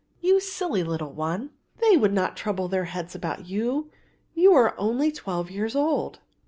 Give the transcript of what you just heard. "You silly little one, they would not trouble their heads about you, you are only twelve years old."